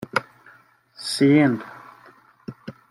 Syeda